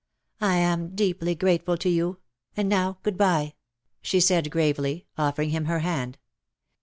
''I am deeply grateful to you, and now good bye,''' she said, gravely, offering him her hand.